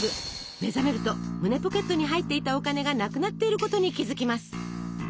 目覚めると胸ポケットに入っていたお金がなくなっていることに気付きます。